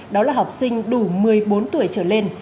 đó là học sinh đủ một mươi bốn tuổi trở lên